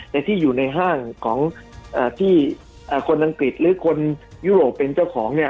แต่ที่อยู่ในห้างของที่คนอังกฤษหรือคนยุโรปเป็นเจ้าของเนี่ย